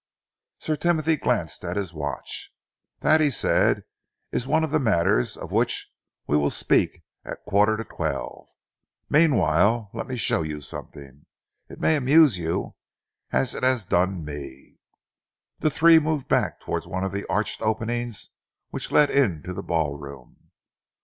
Sir Timothy glanced at his watch. "That," he said, "is one of the matters of which we will speak at a quarter to twelve. Meanwhile, let me show you something. It may amuse you as it has done me." The three moved back towards one of the arched openings which led into the ballroom.